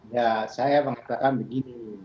ya saya mengatakan begini